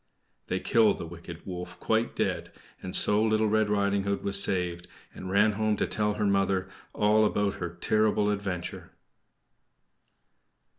They killed the wicked wolf quite dead; and so Little Red Riding Hood was saved, and ran home to tell her mother all about her terrible adventure.